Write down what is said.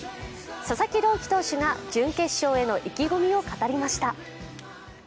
佐々木朗希投手が準決勝への意気込みを語りました。